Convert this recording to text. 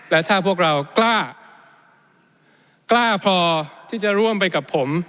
และถ้าพวกเรากล้ากล้าพอที่จะร่วมไปกับผม